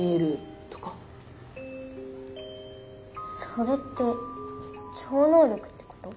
それって超能力ってこと？